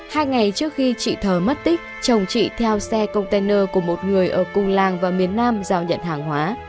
hai ngày trước khi chị thờ mất tích chồng chị theo xe container của một người ở cùng làng và miền nam giao nhận hàng hóa